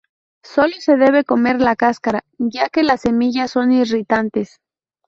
Solo se debe comer la cáscara ya que las semillas son irritantes..